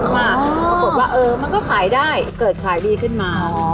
ปรากฏว่ามันก็ขายได้เกิดขายดีขึ้นมา